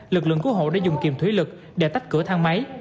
lực lượng cứu hộ đã dùng kiềm thúy lực để tách cửa thang máy